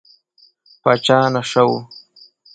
پاچا نشه و.